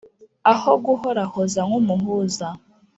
Aho guhorahoza nk' umuhuza